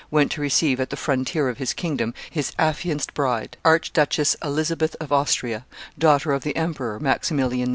went to receive at the frontier of his kingdom his affianced bride, Archduchess Elizabeth of Austria, daughter of the emperor, Maximilian II.